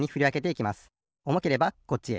おもければこっちへ。